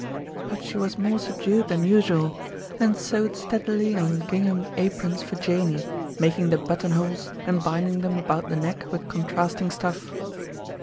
But she was more subdued than usual and sewed steadily on gingham aprons for Janey, making the buttonholes and binding them about the neck with contrasting stuff.